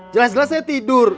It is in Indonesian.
jelas jelas saya tidur